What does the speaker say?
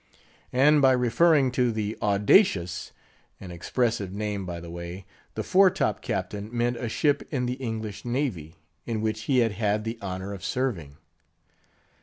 And by referring to the Audacious—an expressive name by the way—the fore top Captain meant a ship in the English navy, in which he had had the honour of serving.